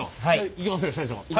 いきますよ社長！